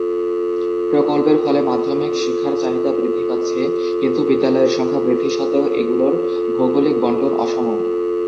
প্রকল্পের ফলে মাধ্যমিক শিক্ষার চাহিদা বৃদ্ধি পাচ্ছে, কিন্তু বিদ্যালয়ের সংখ্যা বৃদ্ধি সত্ত্বেও এগুলোর ভৌগোলিক বণ্টন অসম।